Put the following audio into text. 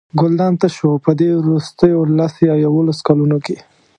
ګلدان تش و او په دې وروستیو لس یا یوولسو کلونو کې.